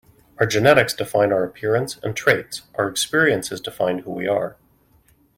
Our genetics define our appearances and traits. Our experiences define who we are.